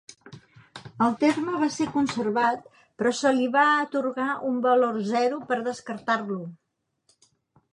El terme va ser conservat però se li va atorgar un valor zero per descartar-lo.